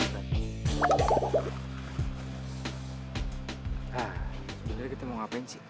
sebenernya kita mau ngapain sih